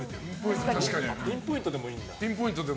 ピンポイントでもいいんだ。